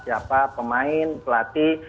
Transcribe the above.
siapa pemain pelatih